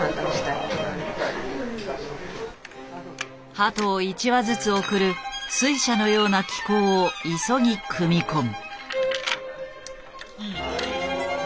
鳩を１羽ずつ送る水車のような機構を急ぎ組み込む。